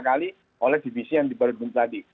kali oleh divisi yang dibalikin tadi